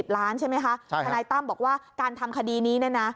ถามไอกาณายตั้มบอกว่าการทำคดีนี้นะนะ